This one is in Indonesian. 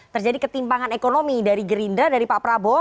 terjadi ketimpangan ekonomi dari gerindra dari pak prabowo